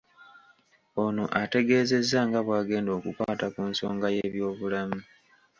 Ono ategeezezza nga bw'agenda okukwata ku nsonga y'ebyobulamu